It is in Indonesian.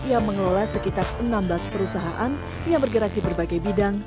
yang mengelola sekitar enam belas perusahaan yang bergerak di berbagai bidang